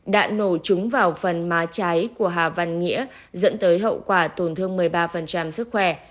đạn nổ chúng vào phần má cháy của hà văn nghĩa dẫn tới hậu quả tổn thương một mươi ba sức khỏe